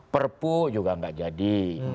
perpu juga nggak jadi